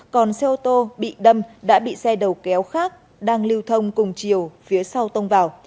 còn xe ô tô bị đâm đã bị xe đầu kéo khác đang lưu thông cùng chiều phía sau tông vào